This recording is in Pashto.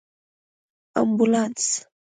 🚑 امبولانس